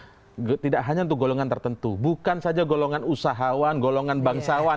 karena itu sudah diangkat tidak hanya untuk golongan tertentu bukan saja golongan usahawan golongan bangsawan